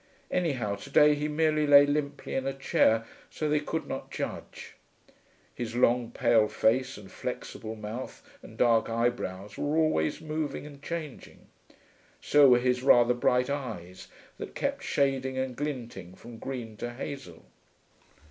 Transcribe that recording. Anyhow to day he merely lay limply in a chair, so they could not judge. His long pale face and flexible mouth and dark eyebrows were always moving and changing; so were his rather bright eyes, that kept shading and glinting from green to hazel.